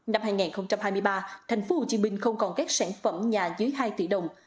năm hai nghìn hai mươi ba tp hcm không còn các sản phẩm nhà dưới hai tỷ đồng